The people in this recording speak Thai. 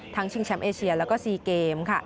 ทั้งชิงแชมป์เอเชียและซีเกม